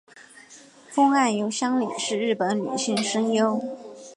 峰岸由香里是日本女性声优。